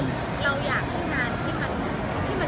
มีโครงการทุกทีใช่ไหม